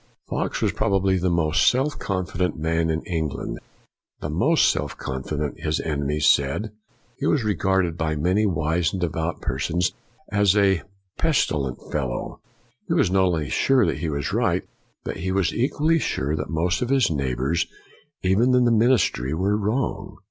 Fox was probably the most self confi dent man in England; the most self con ceited, his enemies said. He was regarded by many wise and devout persons as a pest ilent fellow. He was not only sure that he was right, but he was equally sure that most of his neighbors, even in the min istry, were wrong.